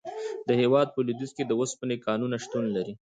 د هیواد په لویدیځ کې د اوسپنې کانونه شتون لري.